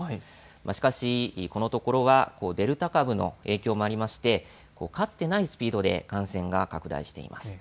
しかし、このところはデルタ株の影響もありましてかつてないスピードで感染が拡大しています。